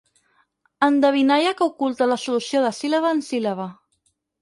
Endevinalla que oculta la solució de síl·laba en síl·laba.